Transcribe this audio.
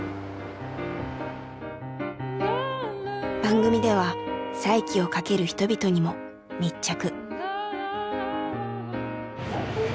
番組では再起をかける人々にも密着。